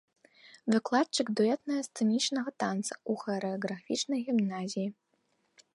Выкладчык дуэтныя-сцэнічнага танца ў харэаграфічнай гімназіі.